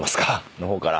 の方から。